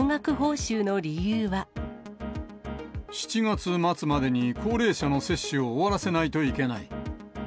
７月末までに高齢者の接種を終わらせないといけない。